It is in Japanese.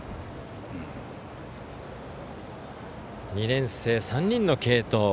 ２年生３人の継投。